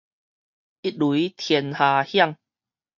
一雷天下響